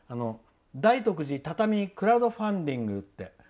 「大徳寺、畳クラウドファンディング」って。